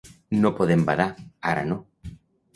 No podem badar, ara no.